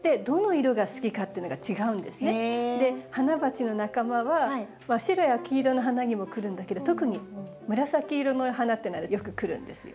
ハナバチの仲間は白や黄色の花にも来るんだけど特に紫色の花っていうのはよく来るんですよ。